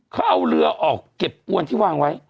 เขาเอาเรือออกเก็บอวนที่วางไว้